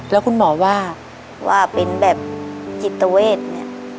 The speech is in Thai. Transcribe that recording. แล้วคุณหมอว่าว่าเป็นแบบจิตเวทเนี่ย